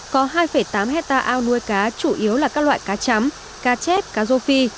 có hai tám hectare ao nuôi cá chủ yếu là các loại cá chấm cá chép cá rô phi